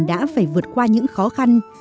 đã phải vượt qua những khó khăn